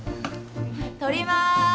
撮ります。